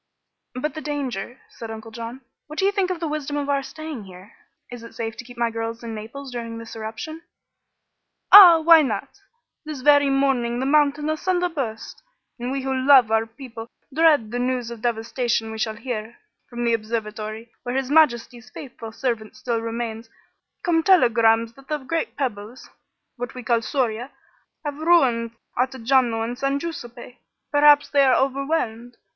"But the danger," said Uncle John. "What do you think of the wisdom of our staying here? Is it safe to keep my girls in Naples during this eruption?" "Ah! Why not? This very morning the mountain asunder burst, and we who love our people dread the news of devastation we shall hear. From the observatory, where His Majesty's faithful servant still remains, come telegrams that the great pebbles what we call scoria have ruined Ottajano and San Guiseppe. Perhaps they are overwhelmed.